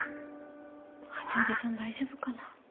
八王子さん大丈夫かな？